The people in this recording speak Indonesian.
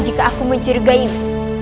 jika aku menjegahimu